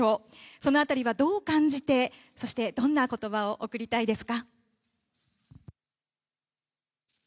その辺りは、どう感じて、そしてどんな言葉を送りたいですか。